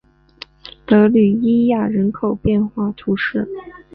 德吕伊亚人口变化图示